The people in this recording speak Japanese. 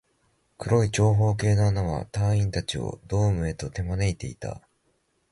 黒い長方形の穴は、隊員達をドームへと手招いていた